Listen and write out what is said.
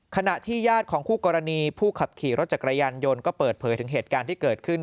ขณะที่ญาติของคู่กรณีผู้ขับขี่รถจักรยานยนต์ก็เปิดเผยถึงเหตุการณ์ที่เกิดขึ้น